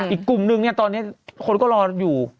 อีกกลุ่มหนึ่งตอนนี้คนก็รออยู่